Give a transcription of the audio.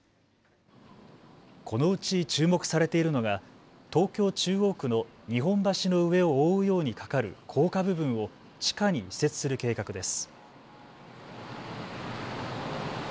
このうち注目されているのが東京中央区の日本橋の上を覆うように架かる高架部分を地下に移設する計画です。